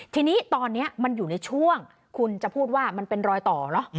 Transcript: ทีนี้ตอนนี้มันอยู่ในช่วงคุณจะพูดว่ามันเป็นรอยต่อเนอะ